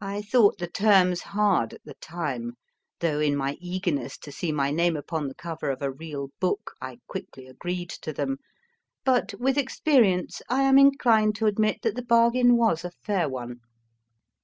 I thought the terms hard at the time (though in my eagerness to see my name upon the cover of a real book I quickly agreed to them), but with experience; I am inclined to admit that the bargain was a fair one.